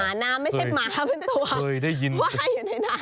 หมาน้ำไม่ใช่หมาเป็นตัวว่ายอยู่ในน้ำ